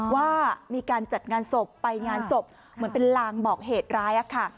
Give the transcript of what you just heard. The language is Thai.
ว่ามีการจัดงานศพไปงานศพเหมือนเป็นลางบอกเหตุร้ายค่ะ